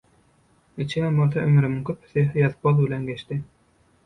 niçigem bolsa ömrümiň köpüsi ýaz-poz bilen geçdi.